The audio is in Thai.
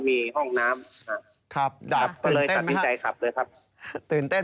บางคนอาจจะไม่เชื่อมั่น